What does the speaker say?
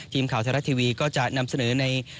ทีมข่าวไทยรัฐทีวีก็จะนำเสนอใน